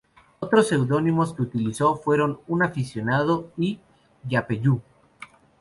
Otros seudónimos que utilizó fueron "Un Aficionado" y "Yapeyú".